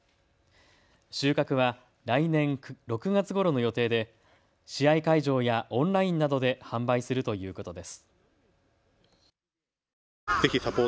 収穫は来年６月ごろの予定で試合会場やオンラインなどで販売するということです。